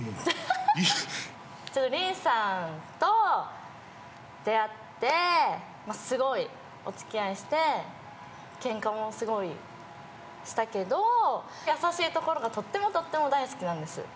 りんすさんと出会ってすごい、お付き合いしてけんかもすごいしたけど優しいところがとてもとても大好きなんです